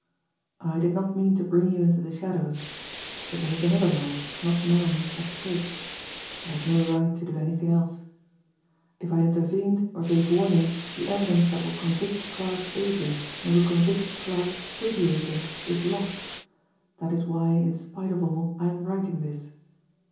"... I did not mean to bring you into the shadows... but there is another life, not mine, at stake ... I have no right to do anything else ... if I intervened, or gave warning, the evidence that will convict Clarke's agent, and will convict Clarke through the agent, is lost... that is why, in spite of all, I am writing this